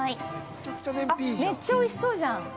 めっちゃおいしそうじゃん。